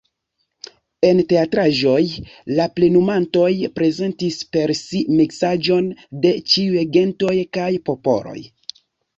En teatraĵoj la plenumantoj prezentis per si miksaĵon de ĉiuj gentoj kaj popoloj.